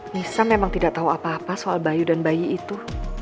nisa memang tidak tahu apa apa soal bayi dan bayi itu